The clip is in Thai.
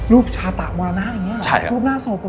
รูปชาตาบัวหน้าอย่างเนี่ยรูปหน้าสดประมาณนั้น